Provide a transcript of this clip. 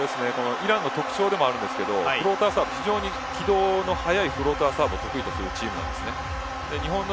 イランの特徴でもあるんですがフローターサーブ非常に軌道の速いフローターサーブを得意とするチームなんですね。